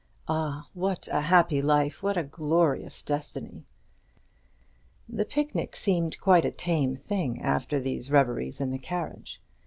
Ah, what a happy life! what a glorious destiny! The picnic seemed quite a tame thing after these reveries in the carriage.